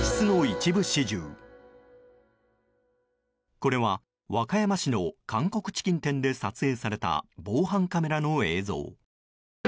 これは、和歌山市の韓国チキン店で撮影された防犯カメラの映像。